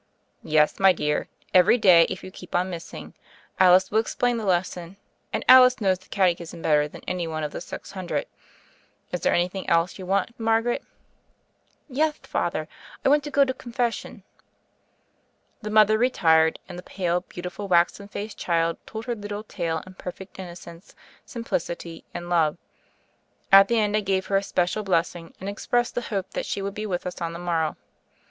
"Yes, my dear; every day, if you keep on missing, Alice will explam the lesson, and Alice knows the catechism better than any one of the six hundred. Is there anything else you want, Margaret ?" "Yeth, Father! I want to go to Confes sion?" The mother retired, and the pale, beautiful, waxen faced child told her little tale in perfect innocence, simplicity, and love. At the end, I gave her a special blessing, and expressed the hope that she would be with us on tne morrow.